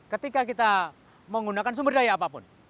ketika kita menggunakan sumber daya apapun